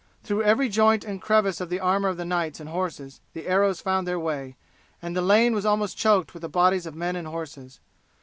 Through every joint and crevice of the armour of knights and horses the arrows found their way, and the lane was almost choked with the bodies of men and horses.